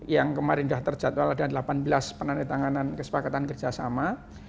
yang kemarin sudah terjadwal ada delapan belas penandatanganan kesepakatan kerjasama